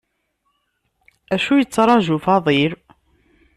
Acu yettṛaju Faḍil?